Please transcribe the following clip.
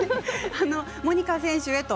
モニカ選手へと。